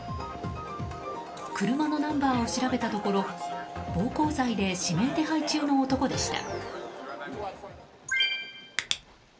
車のナンバーを調べたところ暴行罪で指名手配中の男でした。